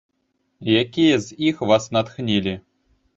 Якія з іх вас натхнілі?